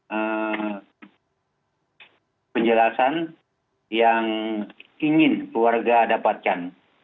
yang menjelaskan yang ingin keluarga dapatkan